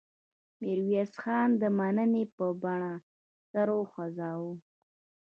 میرویس خان د مننې په بڼه سر وخوځاوه.